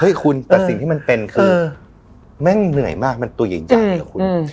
เฮ้ยคุณแต่สิ่งที่มันเป็นคือเออแม่งเหนื่อยมากมันตัวใหญ่ใหญ่เหรอคุณอืม